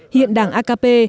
hiện đảng akp